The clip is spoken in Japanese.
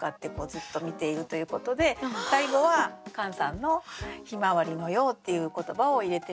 ずっと見ているということで最後はカンさんの「ひまわりのよう」っていう言葉を入れてみました。